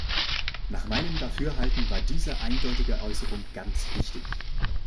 Nach meinem Dafürhalten war diese eindeutige Äußerung ganz wichtig.